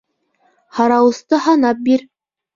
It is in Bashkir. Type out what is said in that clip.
Һарауысты һанап бир